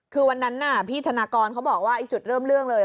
คือวันนั้นพี่ธนากรเขาบอกว่าจุดเริ่มเรื่องเลย